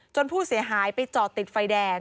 ผู้เสียหายไปจอดติดไฟแดง